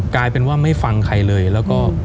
กลายเป็นว่าไม่ฟังใครเลยแล้วก็